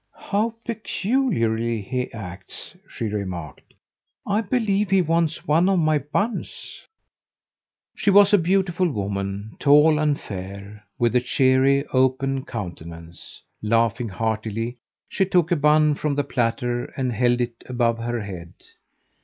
"How peculiarly he acts!" she remarked. "I believe he wants one of my buns." She was a beautiful woman, tall and fair, with a cheery, open countenance. Laughing heartily, she took a bun from the platter, and held it above her head.